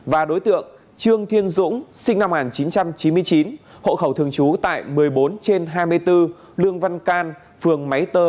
và đối tượng trương thiên dũng sinh năm một nghìn chín trăm chín mươi chín hộ khẩu thường trú tại một mươi bốn trên hai mươi bốn lương văn can phường máy tơ